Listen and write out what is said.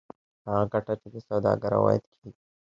هغه ګټه چې د سوداګر عواید کېږي